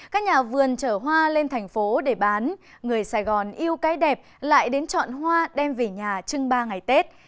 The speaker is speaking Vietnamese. các nhà vườn trở hoa lên thành phố để bán người sài gòn yêu cái đẹp lại đến chọn hoa đem về nhà trưng ba ngày tết